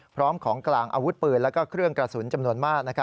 พร้อมของกลางอาวุธปืนและเครื่องกระสุนจำนวนมาก